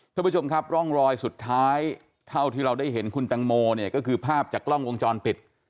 ท่านผู้ชมครับร่องรอยสุดท้ายเท่าที่เราได้เห็นคุณตังโมเนี่ยก็คือภาพจากกล้องวงจรปิด